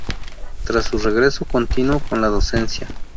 Tras su regreso continuó con la docencia.